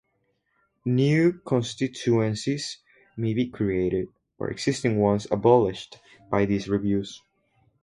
New constituencies may be created, or existing ones abolished, by these reviews.